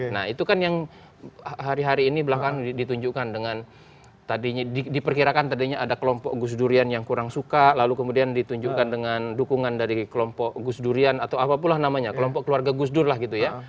nah itu kan yang hari hari ini belakangan ditunjukkan dengan tadinya diperkirakan tadinya ada kelompok gus durian yang kurang suka lalu kemudian ditunjukkan dengan dukungan dari kelompok gus durian atau apapun lah namanya kelompok keluarga gus dur lah gitu ya